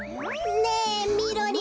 ねえみろりん。